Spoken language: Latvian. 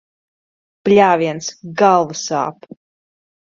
Bļāviens, galva sāp.